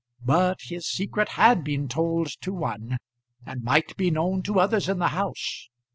But his secret had been told to one, and might be known to others in the house.